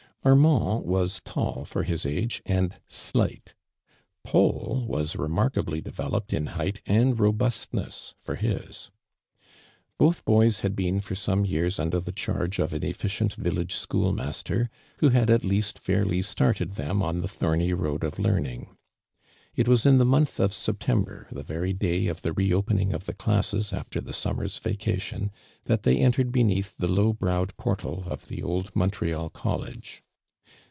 Armand was tall foi' his age. and slight: Paul was remark<d)ly developed in lieight and robiLstness for his. Both boys had been for some years under the charge of an ctlicient village schoolmaster, who liad at least fairly started them on the l>rice Jiir thorny road of learning. It was in the month of September, the very day of Ihe re o])ening of the classes after the .sum mer's vacation, that they entered beneath the low browed portal of the old Montreal College.